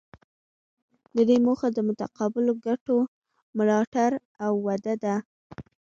د دې موخه د متقابلو ګټو ملاتړ او وده ده